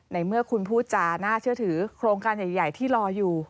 ในเมื่อคุณพูดจาน่าเชื่อถือโครงการใหญ่ที่รออยู่